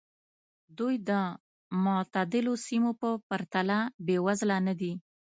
دوی د معتدلو سیمو په پرتله بېوزله نه دي.